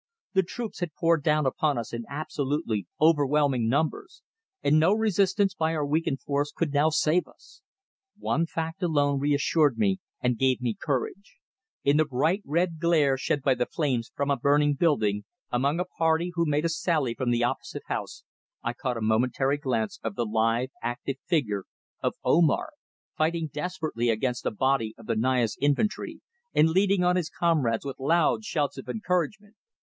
The troops had poured down upon us in absolutely overwhelming numbers, and no resistance by our weakened force could now save us. One fact alone reassured me and gave me courage. In the bright red glare shed by the flames from a burning building, among a party who made a sally from the opposite house I caught a momentary glance of the lithe, active figure of Omar, fighting desperately against a body of the Naya's infantry and leading on his comrades with loud shouts of encouragement.